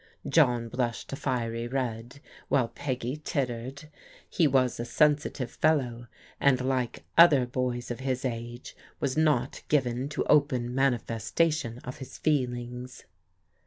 John blushed a fiery red, while Peggy tittered. He was a sensitive fellow, and like other boys of his age, was not given to open manifestation of his feelings.